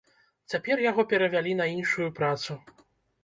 Цяпер яго перавялі на іншую працу.